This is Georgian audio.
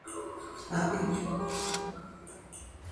ააგებინებს